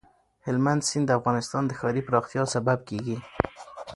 هلمند سیند د افغانستان د ښاري پراختیا سبب کېږي.